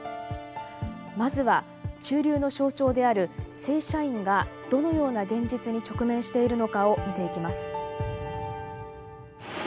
まずは中流の象徴である正社員がどのような現実に直面しているのかを見ていきます。